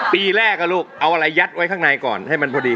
ปีแรกลูกเอาอะไรยัดไว้ข้างในก่อนให้มันพอดี